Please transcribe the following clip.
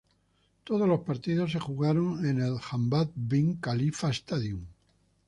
Todos los partidos se jugaron en el Hamad bin Khalifa Stadium.